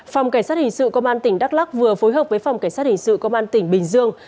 phòng cảnh sát hình sự công an tỉnh đắk lắc vừa phối hợp với phòng cảnh sát hình sự công an tỉnh bình dương